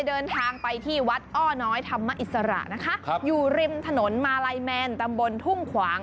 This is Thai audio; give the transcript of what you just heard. เดินทางไปที่วัดอ้อน้อยธรรมอิสระนะคะครับอยู่ริมถนนมาลัยแมนตำบลทุ่งขวาง